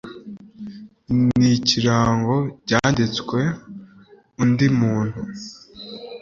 n iy ikirango cyanditswe undi muntu